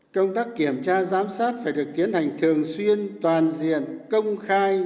công tác kiểm tra giám sát phải được tiến hành thường xuyên toàn diện công khai